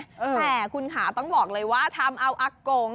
แต่คุณค่ะต้องบอกเลยว่าทำเอาอากง